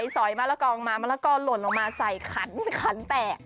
สอยมะละกองมามะละกอหล่นลงมาใส่ขันขันแตก